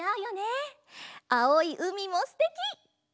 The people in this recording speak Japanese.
あおいうみもすてき！